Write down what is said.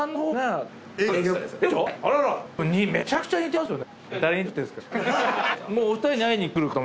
でもめちゃくちゃ似てますよね。